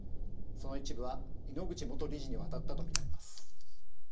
その一部は井ノ口元理事に渡ったとみられます。